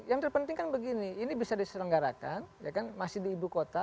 yang terpenting kan begini ini bisa diselenggarakan masih di ibu kota